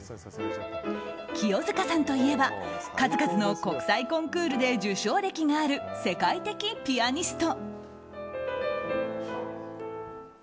清塚さんといえば数々の国際コンクールで受賞歴がある世界的ピアニスト。